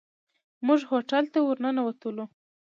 موږ هوټل ته ورننوتلو.